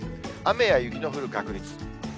雨や雪の降る確率。